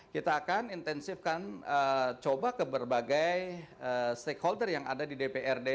kita akan intensifkan coba ke berbagai stakeholder yang ada di dprd